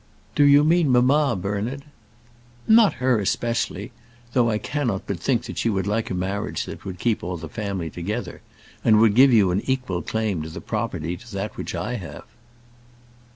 "Do you mean mamma, Bernard?" "Not her especially, though I cannot but think she would like a marriage that would keep all the family together, and would give you an equal claim to the property to that which I have."